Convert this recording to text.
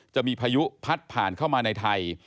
จะมีพายุพัดผ่านเข้ามาในไทย